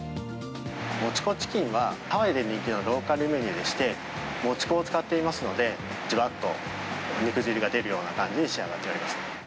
もち粉チキンは、ハワイで人気のローカルメニューでして、もち粉を使っていますので、じゅわっと肉汁が出るような感じに仕上がっております。